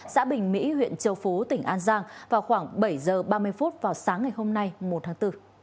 xã bình mỹ huyện châu phú tỉnh an giang vào khoảng bảy h ba mươi vào sáng ngày hôm nay một tháng bốn